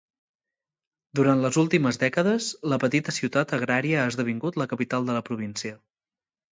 Durant les últimes dècades, la petita ciutat agrària ha esdevingut la capital de la província.